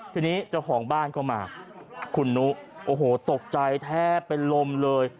ทีนี้เจ้าของบ้านก็มาคุณนุโอ้โหตกใจแทบเป็นลมเลย